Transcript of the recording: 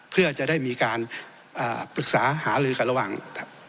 เพื่อจะได้มีการปรึกษาหาลือกันระหว่างครับ